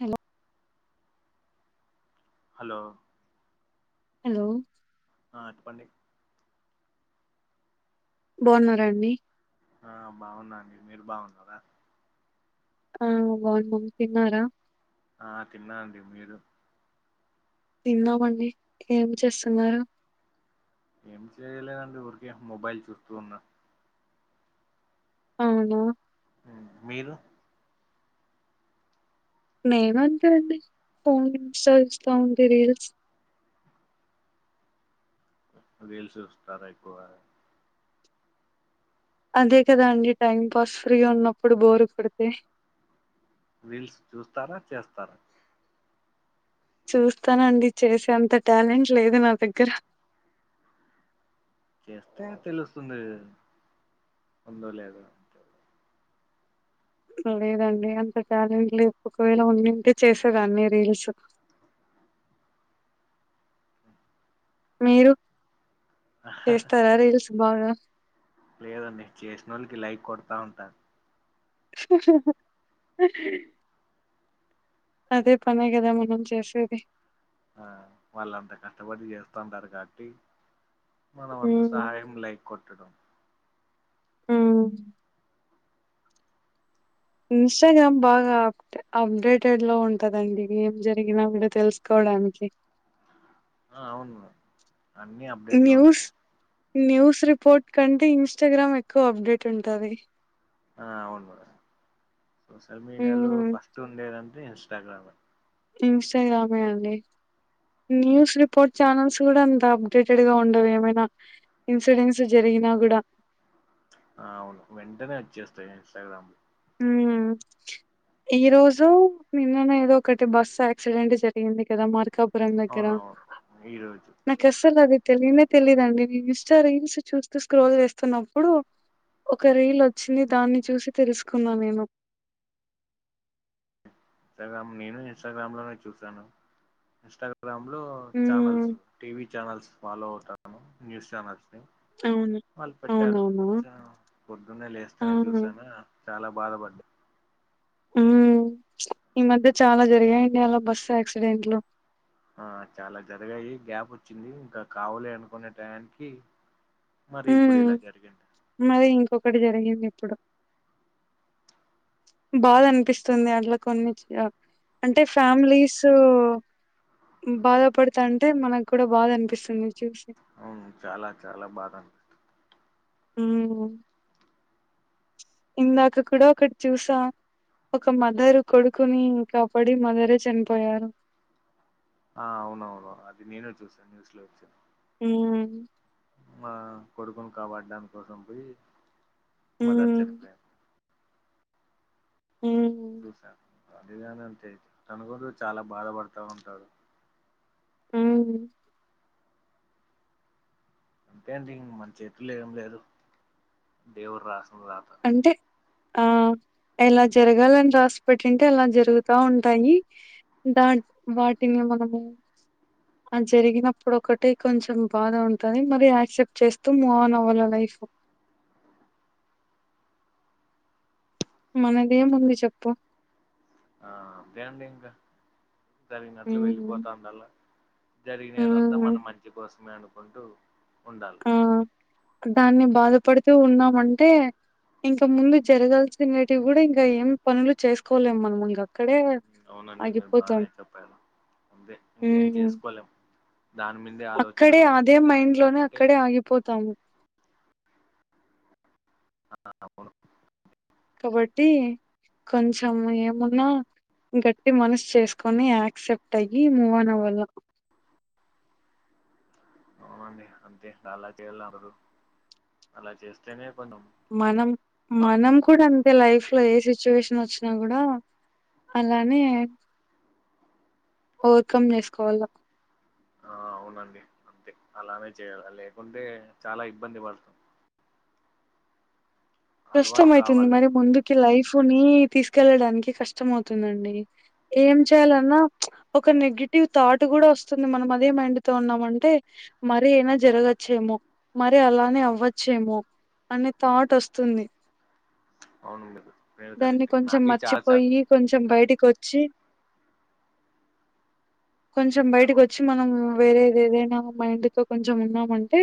Hello hello hello ఆ చెప్పండి. బాగున్నారాండి. ఆ బాగున్నాండి మీరు బాగున్నారా. ఆ బాగున్నం తిన్నారా. ఆ తిన్నాండి మీరు తిన్నామండి ఏం చేస్తున్నారు. ఏం చేయలేదండి. ఊరికే మొబైల్ చూస్తూ ఉన్న అవునా ఉ మీరు నేనంతే అండి ఫోన్ ఇన్స్టా చూస్తాఉంటి రీల్స్ రీల్స్ చూస్తారా ఎక్కువ అదే కదా అండి టైం పాస్ ఫ్రీగా ఉన్నప్పుడు బోరు కోడితే రీల్స్ చూస్తారా చేస్తారా చూస్తానండి చేసే అంత టాలెంట్ లేదు నా దగ్గర చేస్తే తెలుస్తుంది ఉందో లేదో లేదండి అంత టాలెంట్ లేదు. ఒకవేళ ఉన్నింటే చేసేదాన్ని రీల్స్. మీరు చేస్తార రీల్స్ బాగా లేదండి చేసినోళ్ళకి లైక్ కొడతా ఉంటాను. అదే పనే కదా మనం చేసేది. ఆ వాళ్ళంత కష్టపడి చేస్తంటారు కాబట్టి మన వంతు ఉమ్ సహాయం లైక్ కొట్టడం. ఊ ఇన్స్టాగ్రామ్ బాగా అప్ అప్డేటెడ్ లో ఉంటదండి ఏం జరిగినా కూడా తెలుసుకోవడానికి ఆ అవును. అన్ని అప్డేట్లో న్యూస్ ఉంటాయి. న్యూస్ రిపోర్ట్ కంటే ఇన్స్టాగ్రామ్ ఎక్కువ అప్డేట్ ఉంటాది. ఆ అవును మేడం సోషల్ మీడియాలో హ్మ్ ఫస్ట్ ఉండేదంత ఇన్స్టాగ్రామ్ అండి ఇన్స్టాగ్రామే అండి. న్యూస్ రిపోర్ట్ ఛానల్స్ కూడా అంత అప్డేటెడ్ గా ఉండవు. ఏమైనా ఇన్సిడెంట్స్ జరిగినా కూడా అవును వెంటనే వచ్చేస్తాయి ఇన్స్టాగ్రామ్లో ఊ ఈ రోజు నిన్ననో ఏదో ఒకటి బస్సు యాక్సిడెంట్ జరిగింది కదా మార్కప్ పురం దగ్గర అవునవును ఈరోజు నాకస్సల్ అది తెలియనే తెలిదండి. ఇన్స్టా రీల్స్ చూస్తూ స్క్రోల్ చేస్తున్నప్పుడు ఒక రీల్ వచ్చింది దాన్ని చూసి తెలుసుకు కున్న నేను ఇన్స్టాగ్రమ్ నేను ఇన్స్టాగ్రామ్ లోనే చూసాను. ఇన్స్టాగ్రా గ్రాంలో హ్మ్. ఛానల్స్ టీవీ ఛానల్స్ ఫాలో అవుతారు. న్యూస్ చానల్స్ అవును. వాళ్ పెట్టారు అవునవునా! అ పొద్దున్నే ఆ! లేస్తనే చూసానా చాలా బాధపడ్ ఉ ఈ మధ్య చాలా జరిగాయి. అండి అలా బస్సు యాక్సిడెంట్లు. ఆ చాలా జరగాయి గ్యాప్ వచ్చింది. ఇంకా కావాలి అనుకునే టయానికి మరి ఉ ఇప్పుడు ఇలా జరిగింది మరి ఇంకొకటి జరిగింది. ఎప్పుడు బాధ అనిపిస్తుంది. అట్లా కొన్ని అంటే ఫ్యామిలీస్ బాధపడుతాంటే, మనకు కూడా బాధ అనిపిస్తుంది. అవును చాలా చాలా బాద ఊమ్ ఇందాక కూడా ఒకటి చూసా. ఒక మదర్ కొడుకుని కాపాడి మదరే చనిపోయారు. ఆ అవునవును అది నేను చూసాను న్యూస్ లో వచ్చ ఊ మా కొడుకును కాపాడడాని కోసం పోయి మదర్ హ్మ్. చనిపోయింది. హ్మ్. శూ స అదే గాని అంతే తను కూడ చాలా బాధపడతా ఉంటాడు ఆ అంతే అండి ఇగ మన చేతుల్లో ఏం లేదు దేవుడు రాస్త అంటే ఆ ఎలా జరగాలని రాసి పెట్టింటే, అలా జరుగుతా ఉంటాయి. దా వాటిని మనము ఆ జరిగినప్పుడు ఒకటిే కొంచెం బాధ ఉంటది. మరి యాక్సెప్ట్ చేస్తూ మూవ్ ఆన్ అవ్వాల లైఫ్. మనది ఏముంది చెప్పు ఆ అంతేనండి ఇంకా జరిగినట్లు వెళ్ళి ఉమ్ పోతాండల్లా జరిగినదంతా ఉమ్ మన మంచి కోసమే అనుకుం కుంటూ ఉండాలి ఆ దాన్ని బాధపడుతూ ఉన్నామంటే, ఇంకా ముందు జరగాల్సినటివి కూడా ఇంకా ఏం పనులు చేసుకోలేము మనం ఇంకా. అవునండి మీరు బాగానే చెప్పారు. అంతే ఇంకేం ఉమ్ చేసుకోలేం. దాని మీదే ఆలోచన అక్కడే అదే మైండ్ లోనే ఉంటే అక్కడే ఆగిపోతాము. ఆ అప్పుడు కాబట్టి కొంచెం ఏమున్నా గట్టి మనసు చేసుకొని, యాక్సెప్ట్ అయ్యి, మూవ్ ఆన్ అవ్వాళ్ళ. అవునండి అంతే అలా చేయాలందరు అలా చేస్తేనే కొంచెం మనం బా మనం కూడా అంతే లైఫ్ ఇ ఏ సిచ్యువేషన్ వచ్చినా కూడా అలానే ఓవర్ కమ్ చేసుకోవాల్లా. ఆ అవునండి అంతే అలానే చేయాలి. లేకుంటే చాలా ఇబ్బంది పడుతాం. కష్టంమయతుంది మరి ముందుకి లైఫ్ ఫ ని తీసుకెళ్లడానికి కష్టం అవుతుందండి. ఏం చేయాలన్నా ఒక నెగిటివ్ థాట్ కూడా వస్తుంది. మనం అదే మైండ్ తో ఉన్నామంటే మరి అయినా జరగచ్చేమో, మరి అలానే అవ్వచ్చేమో, అనే థాట్ వస్తుంద్. వస్తుంది అవును మీరు మీరు దాన్ని కరెక్టే కొంచెం నాకి చాలా సార్ మర్చిపోయి కొంచెం బయటికొచ్చి కొంచెం బయటకి వచ్చి మనం వేరేది ఏదైన మైండ్ తొ కొంచెం ఉన్నామంటే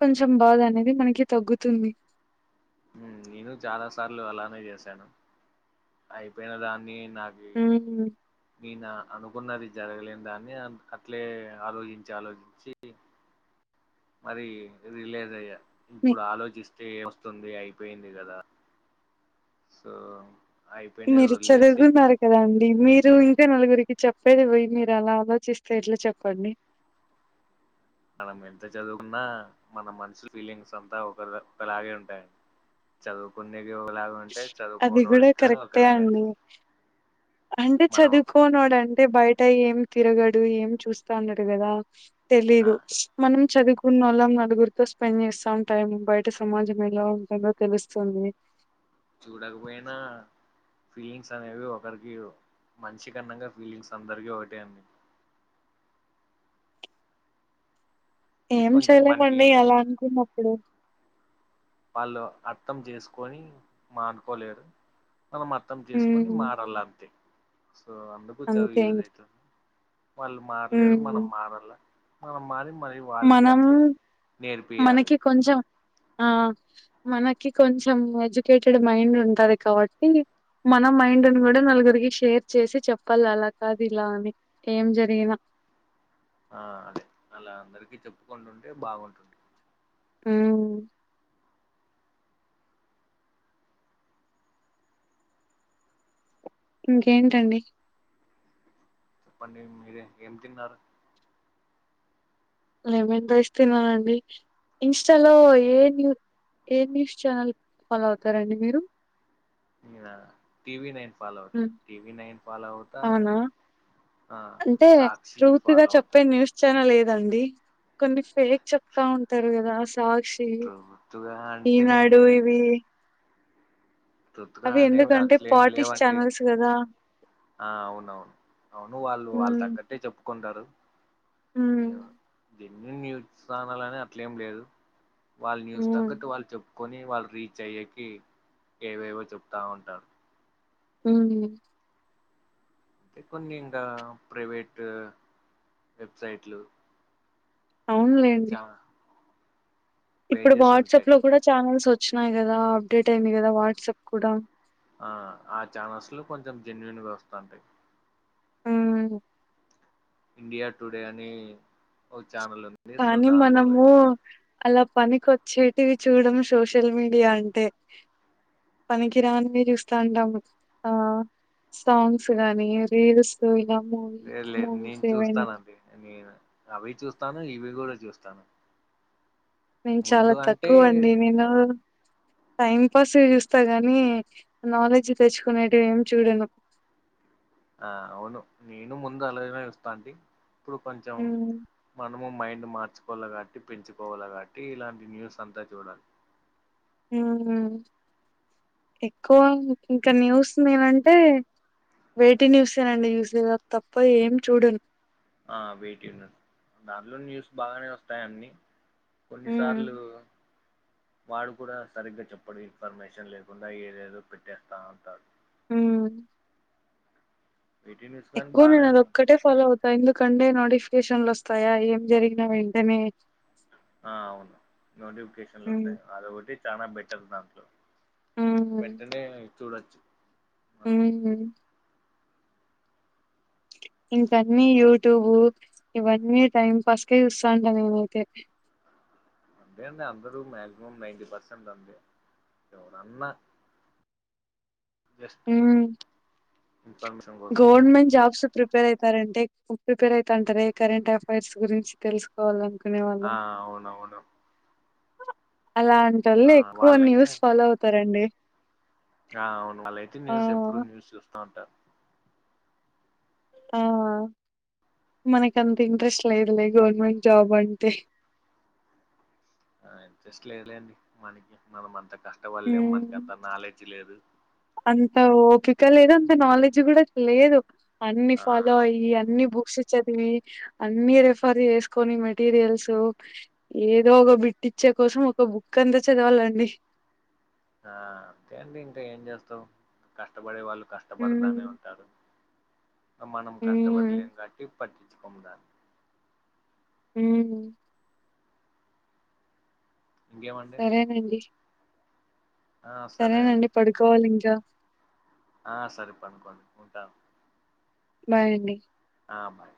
కొంచెం బాధ అనే ఇది మనకి తగ్గుతుంది ఉమ్ నేను చాలా సార్లు అలానే చేశాను అయిపోయిన దాన్ని నాకె ఉమ్, ననా అనుకున్నది జరగలేన్దాన్ని అ అట్లే ఆలోచించి ఆలోచించి మరి ఇది లేదయ్యా మీ ఇప్పుడు ఆలోచిస్తే వ గుర్తుంది అయిపోయింది కదా సొ మీరు చదువుకున్నార కదండి మీరు ఇంకా నలుగురికి చెప్పేది పోయి మీరలా ఆలోచిస్తే ఎట్లా చెప్పండి మనం ఎంత చదువుకున్నా మన మనషుల ఫీలింగ్స్ అంతా ఒకలాగే ఉంటాయండి చదువుకునే ఇగోలాగుంటాయి అది చదువుకొని కూడా గోడు ఒక్క కరెక్టే లాగంటే అండి అంటే చదువుకో నోడ అంటే బయట ఏం తిరగడు ఏం చూస్తాన్నాడు కదా ఆ, తెలీదు మనం చదువుకున్న వాళ్ళం నలుగురితో స్పెండ్ చేస్తా ఉంటారు బయట సమాజం ఎలా ఉంటదో తెలుస్తుంది చూడకపోయినా ఫీలింగ్స్ అనేవి ఒకరికి మంచి కన్నంగా ఫీలింగ్స్ అందరికి ఒకటే అండి ఏం కొంచెం మనకి చెయలేమండి ఎలా అనుకున్న కుడు ఆళ్ళు అర్థం చేసుకొని మానుకోలేరు మనం అర్థం చేసుకొని ఉమ్ మారాలంతే సో అందుకు చదువు అంతే యూజ్ ఇంక. అవుతుంది వాళ్ళు మారలేరు హ్మ్. మనం మారాల మనం మారి మరి వాళ్ళకి మనం అట్లే నేర్పియాలి మనకి కొంచెం ఆ మనకి కొంచెం ఎడ్యుకేటెడ్ మైండ్ ఉంటది కాబట్టి మన మైండుని కూడా నలుగురికి షేర్ చేసి చెప్పాలి అలా కాదు ఇలా అని ఏం జరిగిన ఆ అదె అలా అందరికి చెప్పుకుంటుంటే బాగుంటుంది హుమ్ ఇంకేంటండి చెప్పండి మీరె ఏం తిన్నారు లెమెన్ రైస్ తిన్నారండి ఇన్స్టాలో ఏ న్యూ ఏ న్యూస్ ఛానల్ ఫాలో అవుతారండి మీరు నేనా టి వి నైన్ ఫాలొ అవుతా హ్మ్. టి వి నైన్ ఫాలోవుత అవునా? అంటే సాక్షి ఫాలోత రండి కొన్ని ఫేక్ చెప్తా ఉంటారు కదా సాక్షి తొత్తుగా అంటే ఈనాడు ఇవీ తొత్తుగా అవి అనేవి ఎందుకంటె అట్లేం పాటిష్ లేవండి ఛానల్స్ కదా ఆ అవునవును అవును వాళ్ళు వాళ్ళ హ్మ్ తగ్గట్టే చెప్పుకుంటారు హ్మ్ న్య ఎన్ని న్యూచ్ ఛానల్ అని అట్లేం లేదు వాళ్ళ న్యూస్ హ్మ్ తగ్గట్టు వాళు చెప్పు కొని వాళ్ళు రీచ్ అయ్యకి ఏవేవో చెప్తా ఉంటారు ఉ అంటే కొన్ని ఇండ ప్రైవేట్ వెబ్సైట్లు అవునులేండి చా ఇప్పుడు పేజెస్ వాట్సాప్ ఉంటాయి లో కూడా చానల్స్ వచ్ వచ్చినాయి గదా అప్డేట్ అయింది కదా వాట్సాప్ కూడా ఆ ఆ ఛానల్స్ లో కొంచెం జెన్యూన్ వస్ అంటయి ఉ ఇండియా టుడే అని ఓచ్ కానీ మనము అలాప్ పనికి వచ్చేటివి చూడం సోషల్ మీడియా అంటే పనికి రానివి చూస్తా ఉంటాం ఆ సాంగ్స్ గానీ రీల్స్ ఇలా మూవీ లేదు లేదు మూవీస్ నేను ఏవైనా చూస్తానండి నేను అవి చూస్ తను ఇవి గూడ చూస్తాను నేను చాలా ముందు అంటే తక్కువ అండి నేను టైం పాస్ గా చూస్తా గాని నాలెడ్జ్ తెచ్చుకునేటివి ఏం చూడను ఆ అవును నేను ముందు అలాగనా ఇస్తా అండి ఇప్పుడు కొంచెం హ్మ్ మనం నువ్ మైండ్ మార్చుకోవాల కాట్టి పెంచుకోవాల కాట్టి ఇలాంటి న్యూస్ అంతా చూడాలి ఉ ఎక్కువ ఇంకా న్యూస్ నేనంటే వేటి న్యూసేనండి న్యూస్ అది తప్ప ఏం చూడను ఆ వెయిట్ ను దాంట్లో న్యూస్ బాగానే వస్తాయి అన్నీ హ్మ్. కొన్నిసార్లు వాడు కూడా సరిగ్గా చెప్పడు ఇన్ఫర్మేషన్ లేకుండా ఏదేదో పెట్టేస్తా ఉంటారు ఉ వీటి న్యూస్ కానీ ఎక్కువ బాగానే నేను అది ఉంటుంది. ఒక్కటే ఫాలో అవుతా ఎందుకంటే నోటి ఎకేషన్లు వస్తాయా ఏం జరిగినా వెంటనే ఆ అవును నోటిఫికేషన్లు హ్మ్. వస్తాయి అది ఒకటి చనా బెటర్ దాంట్లో వెంటనే చూడచ్చు ఉహు ఇంకా అన్ని యూట్యూబ్ ఇవన్నీ టైం పాస్ కే చూస్తా అంటా నేనైతే అంతే అండి అందరు మాక్సిమం నైన్ టి పర్సెంట్ అంతే ఎవడన్నా వెస్ట్ హ్మ్. గవర్నమెంట్ జాబ్స్ ప్రిపేర్ అయి కరెంటే ప్రిపేర్ అవుతుంటార కరెంట్ అఫైర్స్ గురించి తెలుసుకోవాలను ఆ అవునవును అలాంటి వాళ్ళ ఆ ఎక్కువ వాళ్ళైతే న్యూస్ ఫాలో అవుతారండి ఆ అవును వాళ్ళయితే ఆ న్యూస్ ఎప్పుడు న్యూస్ చూస్తా ఉంటారు ఆ మనకి అంత ఇంట్రెస్ట్ లేదులే గవర్నమెంట్ జాబ్ అంటే ఇంట్రెస్ట్ లేదండి మనకి మనం అంత కష్టపలేలేం హ్మ్ మనకంత నాలెడ్జ్ లేదు అంత ఓపిక లేదు అంత నాలెడ్జ్ కూడా లేదు అన్ని ఆ ఫాలో అయ్యి అన్ని బుక్స్ చదివి అన్ని రెఫర్ చేసుకొని మెటీరియల్స్ ఏదో ఒక బిట్ ఇచ్చే కోసం ఒక బుక్ అంత చదవాలండి ఆ అంతే అండి ఇంకా ఏం చేస్తావు కష్టపడే వాళ్ళు కష్టపడతానే హ్మ్ ఉంటాడు మనం హ్మ్ కష్టపడలే కాటి పటి కుముద హ ఇంకేమండి సరేనండి ఆ సరే అండి సరేనండి పడుకోవాలి ఇంకా ఆ సరి పనుకోండి ఉంటా బాయ్అండి ఆ బాయ్